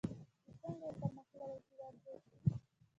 چې څنګه یو پرمختللی هیواد جوړ کړي.